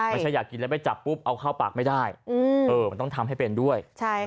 ไม่ใช่อยากกินแล้วไปจับปุ๊บเอาเข้าปากไม่ได้มันต้องทำให้เป็นด้วย